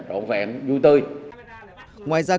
trong những ngày trước